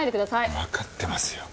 わかってますよ。